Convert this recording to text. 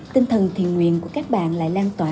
tinh thần thiền nguyện của các bạn lại lan tỏa